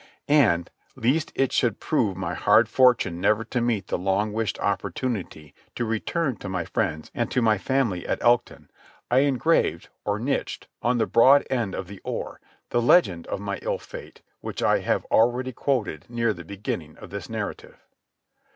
And, lest it should prove my hard fortune never to meet with the long wished opportunity to return to my friends and to my family at Elkton, I engraved, or nitched, on the broad end of the oar, the legend of my ill fate which I have already quoted near the beginning of this narrative.